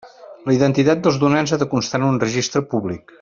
La identitat dels donants ha de constar en un registre públic.